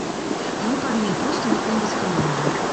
Ён павінен проста выконваць каманды.